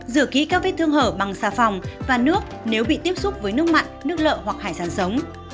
rửa kỹ các vết thương hở bằng xà phòng và nước nếu bị tiếp xúc với nước mặn nước lợ hoặc hải sản sống